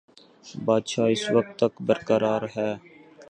بادشاہ اس وقت تک برقرار ہے۔